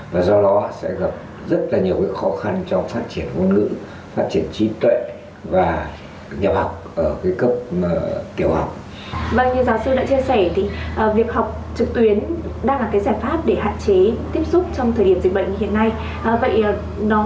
vậy nó gây ra những ác lực tâm lý những khó khăn nào cho giáo viên ạ